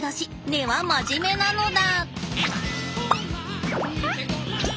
根は真面目なのだ。